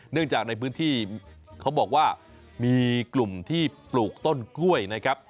จากในพื้นที่เขาบอกว่ามีกลุ่มที่ปลูกต้นกล้วยนะครับ